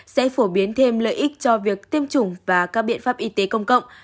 sẽ phổ biến thêm lợi ích cho việc tiêm chủng và các biện pháp y tế công cộng